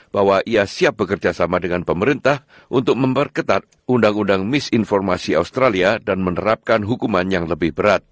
bahwa ia siap bekerjasama dengan pemerintah untuk memperketat undang undang misinformasi australia dan menerapkan hukuman yang lebih berat